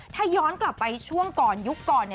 ถ้าย้อนกลับไปช่วงก่อนยุคก่อน